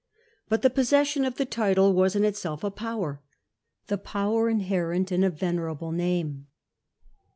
But the possession of the title was in itself a power — ^the power inherent in a vener able name.